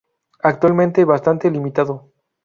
Actualmente bastante limitado.